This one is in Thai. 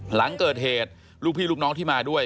หลังเกิดเหตุลูกพี่ลูกน้องที่มาด้วย